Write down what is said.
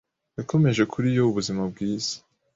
Yakomeje kuri yo ubuzima bwiza.